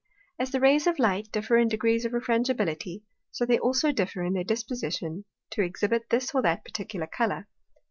As the Rays of Light differ in degrees of Refrangibility, so they also differ in their disposition to exhibit this or that particular Colour.